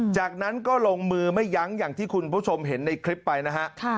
จากนั้นก็ลงมือไม่ยั้งอย่างที่คุณผู้ชมเห็นในคลิปไปนะฮะ